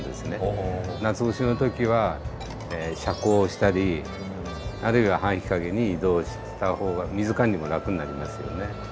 夏越しの時は遮光をしたりあるいは半日陰に移動した方が水管理も楽になりますよね。